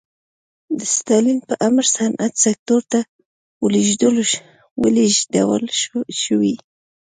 د ستالین په امر صنعت سکتور ته ولېږدول شوې.